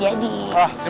oh terima kasih pak